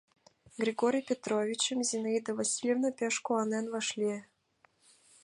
Григорий Петровичым Зинаида Васильевна пеш куанен вашлие.